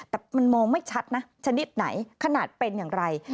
แต่มันมองไม่ชัดนะชนิดไหนขนาดเป็นอย่างไร